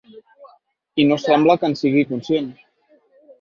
I no sembla que en sigui conscient.